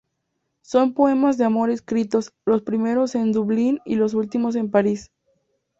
Son poemas de amor escritos, los primeros en Dublín y los últimos en París.